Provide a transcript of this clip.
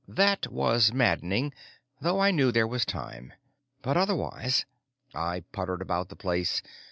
That was maddening, though I knew there was time. But otherwise I puttered about the place.